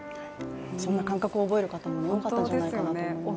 そんな感覚を覚える方も多かったんじゃないですかね。